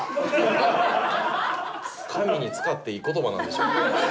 神に使っていい言葉なんでしょうか？